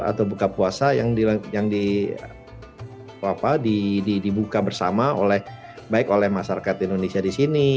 atau buka puasa yang dibuka bersama oleh baik oleh masyarakat indonesia di sini